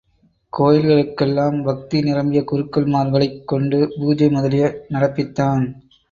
கோயில்களுக்கெல்லாம் பக்தி நிரம்பிய குருக்கள் மார்களைக் கொண்டு பூஜை முதலிய நடப்பித்தான்.